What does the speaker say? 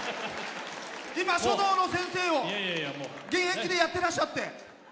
今、書道の先生を現役でやってらっしゃって。